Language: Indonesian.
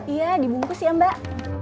iya dibungkus ya mbak